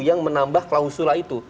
yang menambah klausula itu